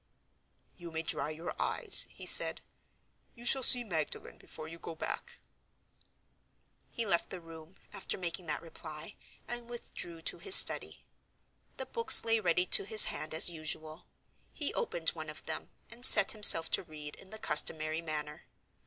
"You may dry your eyes," he said. "You shall see Magdalen before you go back." He left the room, after making that reply, and withdrew to his study. The books lay ready to his hand as usual. He opened one of them and set himself to read in the customary manner.